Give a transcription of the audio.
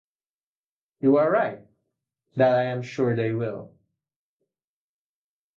You are right; that I am sure they will.